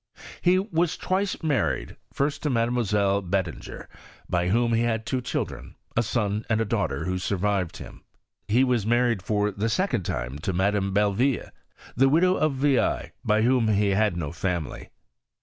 He was twice married : G»C to Mademoiselle Betlinger, by whom he had tiro children, a son and a daugliter. vhn survived him. He was married for the second time to iMadame Belleville, the widoir of V'ailly, by whom he had no family.